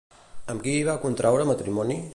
Amb qui va contraure matrimoni?